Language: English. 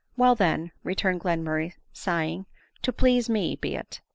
" Well then," returned Glenmurray, sighing, " to please me, be it.